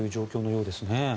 そうですね。